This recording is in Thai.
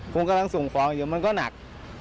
ผมกำลังส่งของอยู่มันก็หนัก